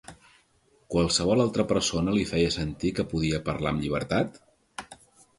Qualsevol altra persona li feia sentir que podia parlar amb llibertat?